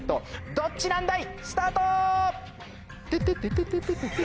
どっちなんだい？